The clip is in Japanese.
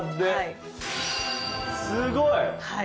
すごい。